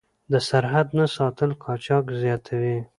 د سرحد نه ساتل قاچاق زیاتوي.